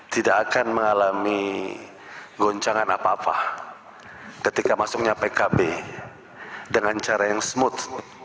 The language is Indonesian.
tidak akan mengalami goncangan apa apa ketika masuknya pkb dengan cara yang smooth